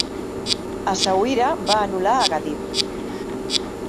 Essaouira va anul·lar Agadir.